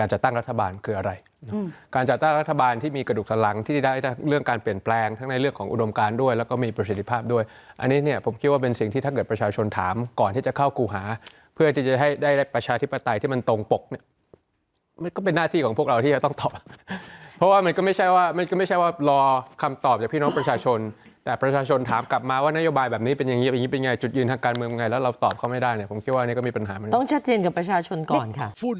ไม่ได้อะไรประชาธิปไตยที่มันตรงปกเนี่ยมันก็เป็นหน้าที่ของพวกเราที่จะต้องตอบเพราะว่ามันก็ไม่ใช่ว่ามันก็ไม่ใช่ว่ารอคำตอบจากพี่น้องประชาชนแต่ประชาชนถามกลับมาว่านโยบายแบบนี้เป็นอย่างงี้เป็นอย่างงี้เป็นไงจุดยืนทางการเมืองไงแล้วเราตอบเขาไม่ได้เนี่ยผมคิดว่านี่ก็มีปัญหาต้องชัดเจนกับประชา